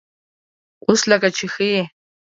_اوس لکه چې ښه يې؟